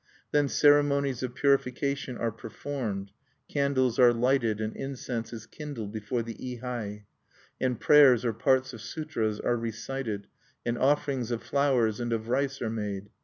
Then ceremonies of purification are performed; candles are lighted and incense is kindled before the ihai; and prayers or parts of sutras are recited; and offerings of flowers and of rice are made.